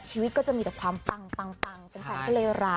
ชีวิตก็จะมีแต่ความบุญแหละ